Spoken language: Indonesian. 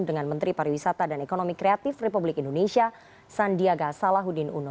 dengan menteri pariwisata dan ekonomi kreatif republik indonesia sandiaga salahuddin uno